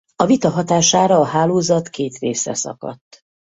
A vita hatására a hálózat két részre szakadt.